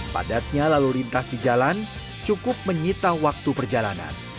padatnya lalu lintas di jalan cukup menyita waktu perjalanan